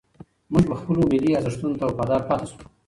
موږ به خپلو ملي ارزښتونو ته وفادار پاتې شو.